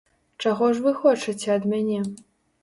Чаго ж вы хочаце ад мяне?